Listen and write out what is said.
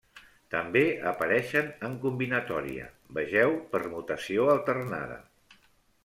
També apareixen en combinatòria; vegeu permutació alternada.